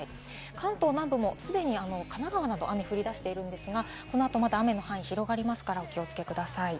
関東南部もすでに神奈川など雨が降り出しているんですが、このあと雨の範囲が広がりますから、お気をつけください。